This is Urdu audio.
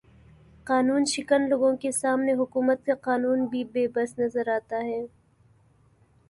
قانوں شکن لوگوں کے سامنے حکومت کا قانون بھی بے بس نظر آتا ہے